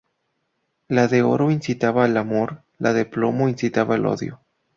La de oro incitaba el amor, la de plomo incitaba el odio.